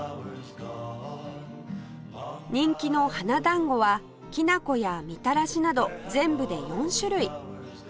人気の花だんごはきなこやみたらしなど全部で４種類